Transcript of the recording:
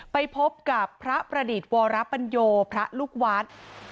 ไปพบกับพระประดิษฐ์วรปัญโยพระลูกวัด